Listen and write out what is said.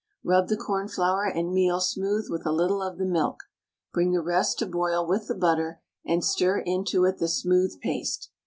Rub the cornflour and meal smooth with a little of the milk; bring the rest to boil with the butter, and stir into it the smooth paste.